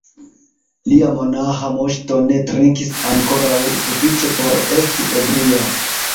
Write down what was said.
Lia monaĥa Moŝto ne trinkis ankoraŭ sufiĉe por esti ebria.